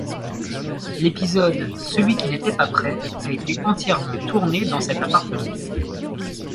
L'épisode 'Celui qui n'était pas prêt' a été entièrement tourné dans cet appartement.